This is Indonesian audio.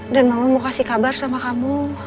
dan mama mau kasih kabar sama kamu